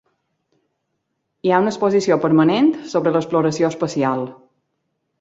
Hi ha una exposició permanent sobre l'exploració espacial.